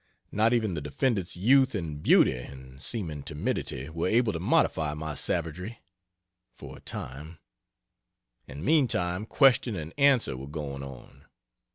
Not even the defendant's youth and beauty and (seeming) timidity were able to modify my savagery, for a time and meantime question and answer were going on.